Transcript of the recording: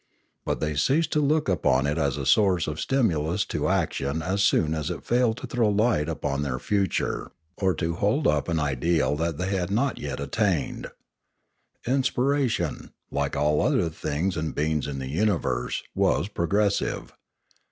But they ceased to look 28 434 Limanora upon it as a source of stimulus to action as soon as it failed to throw light upon their future, or to hold up an ideal that they had not yet attained. Inspiration, like all other things and beings in the universe, was progressive.